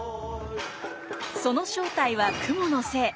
その正体は蜘蛛の精。